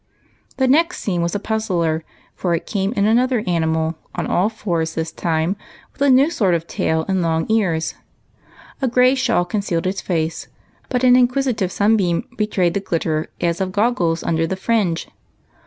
The next scene was a puzzler, for in came another animal, on all fours this time, with a new sort of tail and long ears. A gray shawl concealed its face, but an inquisitive sunbeam betrayed the glitter as of gog gles under the fringe.